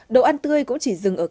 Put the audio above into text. đậu ăn tươi cũng chỉ dừng ở cá mè